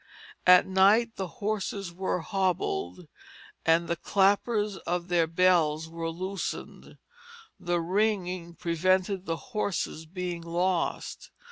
At night the horses were hobbled, and the clappers of their bells were loosened; the ringing prevented the horses being lost.